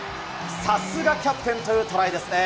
さすがキャプテンというトライですね。